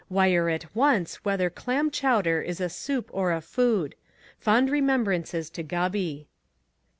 Wire at once whether clam chowder is a soup or a food. Fond remembrances to Gubby.